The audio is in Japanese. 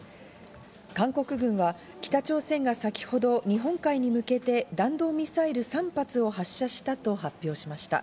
韓国軍は北朝鮮が先ほど日本海に向けて弾道ミサイル３発を発射したと発表しました。